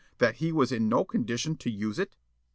That he was in no condition to use it?"